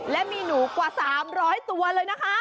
และมีหนูกว่า๓๐๐ตัวเลยนะคะ